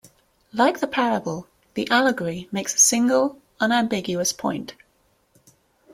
Like the parable, the allegory makes a single, unambiguous point.